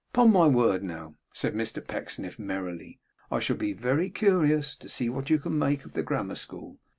Upon my word, now,' said Mr Pecksniff, merrily, 'I shall be very curious to see what you make of the grammar school.